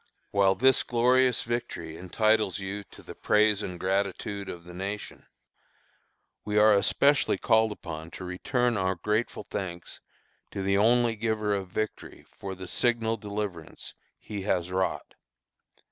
While this glorious victory entitles you to the praise and gratitude of the nation, we are especially called upon to return our grateful thanks to the only Giver of victory for the signal deliverance He has wrought.